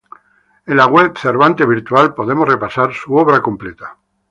En la web Cervantes Virtual podemos repasar su obra completa.